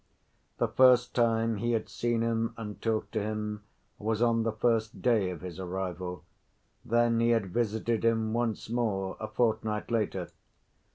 The first time he had seen him and talked to him was on the first day of his arrival, then he had visited him once more, a fortnight later.